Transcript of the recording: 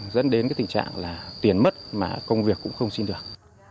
dẫn đến cái tình trạng là tiền mất mà công việc cũng không xin được